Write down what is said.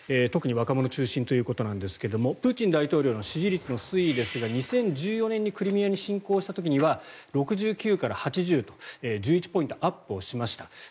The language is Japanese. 特に若者を中心ということですがプーチン大統領の支持率の推移ですが２０１４年にクリミアに侵攻した時には６９％から８０％と１１ポイントアップしました。